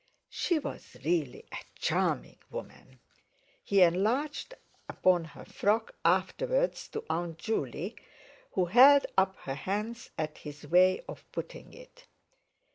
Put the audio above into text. She was really—a charming woman! He enlarged upon her frock afterwards to Aunt Juley, who held up her hands at his way of putting it.